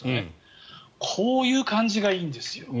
こういう感じがいいんですよ。